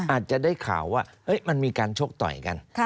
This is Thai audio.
อาจจะได้ข่าวว่ามันมีการชกต่อยกัน